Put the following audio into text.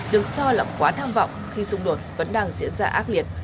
được cho là quá tham vọng khi xung đột vẫn đang diễn ra ác liệt